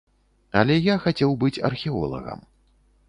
Але я хацеў быць археолагам.